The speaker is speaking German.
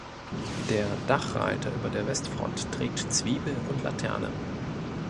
Der Dachreiter über der Westfront trägt Zwiebel und Laterne.